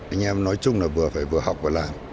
anh em nói chung là vừa phải vừa học vừa làm